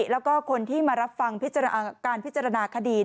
แล้วก็คนที่มารับฟังการพิจารณาคดี